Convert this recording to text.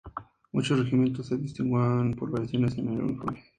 Muchos regimientos se distinguían por variaciones en el uniforme.